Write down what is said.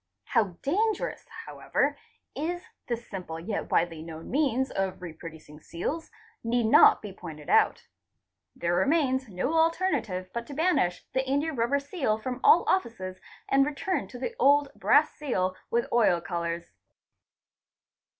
How dangerous however is this simple yet widely known means of re ' producing seals, need not be pointed out. There remains no alternative i but to banish the india rubber seal from all offices and return to the old brass seal with oil colours.